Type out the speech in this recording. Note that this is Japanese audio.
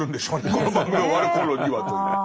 この番組が終わる頃には。ですね。